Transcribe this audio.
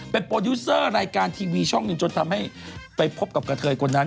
เป็นโปรดิวเซอร์รายการทีวีช่องหนึ่งจนทำให้ไปพบกับกระเทยคนนั้น